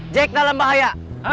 jack dalam bahaya